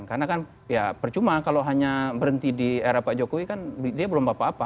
karena kan ya percuma kalau hanya berhenti di era pak jokowi kan dia belum apa apa